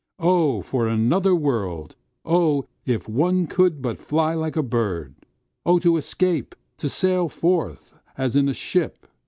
O for another world! O if one could but fly like a bird!O to escape—to sail forth, as in a ship!